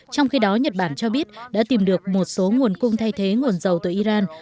trong khi đó nhật bản cho biết đã tìm được một số nguồn cung thay thế nguồn dầu từ iran